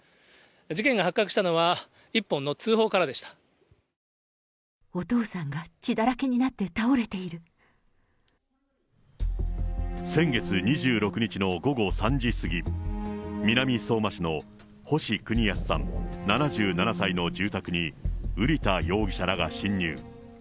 事件が発覚したのは一本の通報かお父さんが血だらけになって先月２６日の午後３時過ぎ、南相馬市の星邦康さん７７歳の住宅に、瓜田容疑者らが侵入。